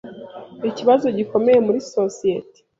ikibazo gikomeye muri Sosiyete.